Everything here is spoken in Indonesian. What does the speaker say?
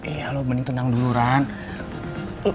iya lo mending tenang dulu rang